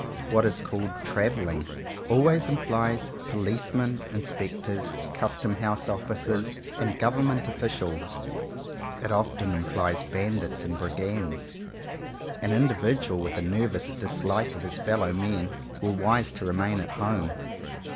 What is called "travelling" always implies Policemen, In spectors, Custom House Officers, and Gov ernment Officials. It often implies Bandits and Brigands. An individual with a ner vous dislike of his fellow men, were wise to remain at home.